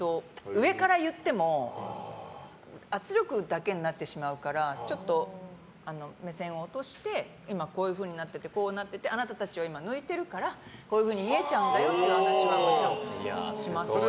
上から言っても圧力だけになってしまうから目線を落として今こういうふうになっててこうなってて、あなたたちを今、抜いてるからこういうふうに見えちゃうんだよという話はしますし。